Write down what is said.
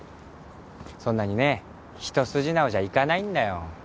そんなにね一筋縄じゃいかないんだよ。